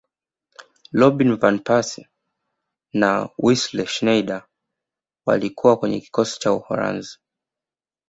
robin van persie na wesley snejder walikuwa kwenye kikosi cha uholanzi